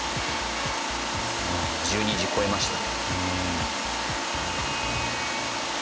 １２時越えました。